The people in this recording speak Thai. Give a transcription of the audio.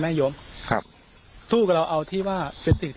เอาเป็นว่าอ้าวแล้วท่านรู้จักแม่ชีที่ห่มผ้าสีแดงไหม